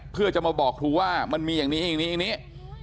เพื่อจะมาบอกครูว่ามันมีอย่างนี้อย่างนี้